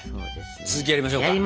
続きやりましょうか！